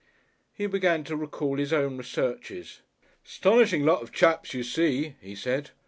He began to recall his own researches. "'Stonishing lot of chaps you see," he said.